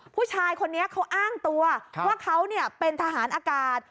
ผู้ชายคนนี้เขาอ้างตัวว่าเขาเป็นทหารอากาศ